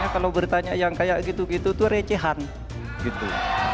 kalau bertanya yang kayak gitu gitu tuh recehan gitu